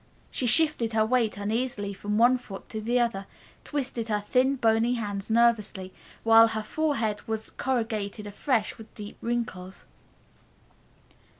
She shifted her weight uneasily from one foot to the other, twisted her thin, bony hands nervously, while her forehead was corrugated afresh with deep wrinkles.